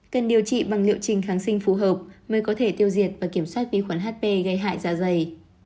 cần điều trị bằng liệu trình kháng sinh phù hợp mới có thể tiêu diệt và kiểm soát vi khuẩn hp gây hại da dày